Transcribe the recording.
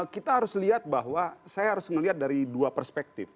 kita harus lihat bahwa saya harus melihat dari dua perspektif